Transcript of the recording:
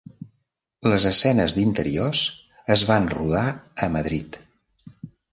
Les escenes d'interiors es van rodar a Madrid.